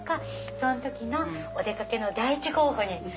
そん時のお出掛けの第一候補に。